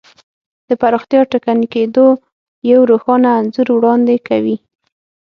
د پراختیا ټکني کېدو یو روښانه انځور وړاندې کوي.